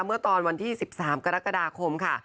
เมื่อตอนวันที่๑๓กรกฎาคมค่ะ